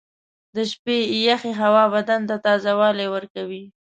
• د شپې یخې هوا بدن ته تازهوالی ورکوي.